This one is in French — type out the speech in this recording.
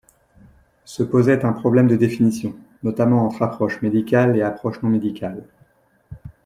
Se posait un problème de définition, notamment entre approche médicale et approche non médicale.